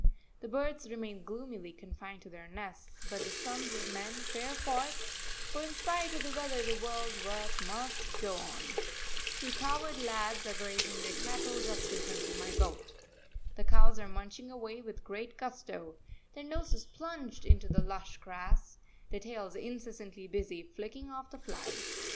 The birds remain gloomily confined to their nests, but the sons of men fare forth, for in spite of the weather the world's work must go on. [Footnote 1: Conical hats of straw or of split bamboo.] Two cowherd lads are grazing their cattle just in front of my boat. The cows are munching away with great gusto, their noses plunged into the lush grass, their tails incessantly busy flicking off the flies.